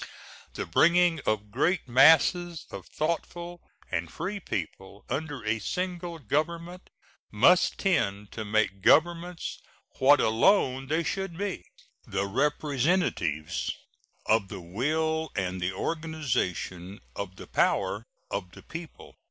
The bringing of great masses of thoughtful and free people under a single government must tend to make governments what alone they should be the representatives of the will and the organization of the power of the people.